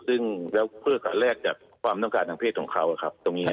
ซึ่งเตือนการแรกจากความต้องการทางเพศของเขาตรงนี้ครับ